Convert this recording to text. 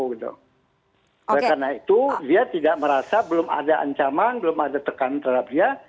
oleh karena itu dia tidak merasa belum ada ancaman belum ada tekanan terhadap dia